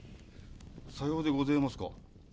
さようでごぜえますか。